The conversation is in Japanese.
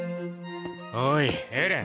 おいエレン。